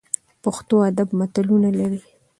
پښتو ادب متلونه لري